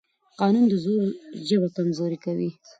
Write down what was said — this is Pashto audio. قانون د زور ژبه کمزورې کوي